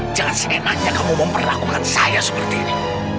jangan seenaknya kamu memperlakukan saya seperti ini